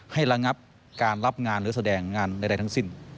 ระงับการรับงานหรือแสดงงานใดทั้งสิ้น